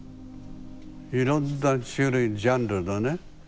いろんな種類ジャンルのね